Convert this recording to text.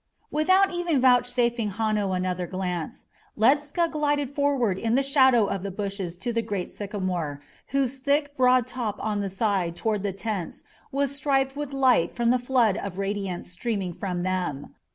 Without even vouchsafing Hanno another glance, Ledscha glided forward in the shadow of the bushes to the great sycamore, whose thick, broad top on the side toward the tents was striped with light from the flood of radiance streaming from them.